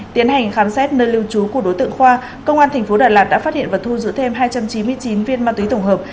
tiến hành khám xét nơi lưu trú của đối tượng khoa công an tp đà lạt đã phát hiện và thu giữ thêm hai trăm chín mươi chín viên ma túy tổng hợp